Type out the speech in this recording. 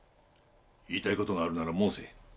言いたい事があるなら申せ。